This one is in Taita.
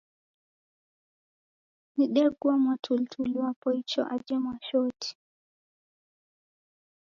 Nidegua mwatulituli wapo icho aje Mwashoti.